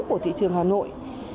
của thị trường hà nội